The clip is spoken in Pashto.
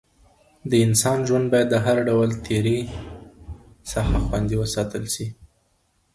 د انسان ژوند بايد د هر ډول تېري څخه خوندي وساتل سي.